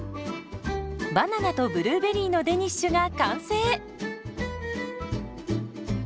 バナナとブルーベリーのデニッシュが完成。